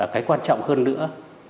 cái quan trọng hơn nữa